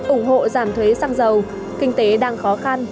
ủng hộ giảm thuế xăng dầu kinh tế đang khó khăn